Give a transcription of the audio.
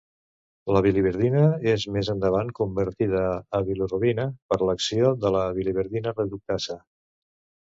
La biliverdina és més endavant convertida a bilirubina per l'acció de la biliverdina reductasa.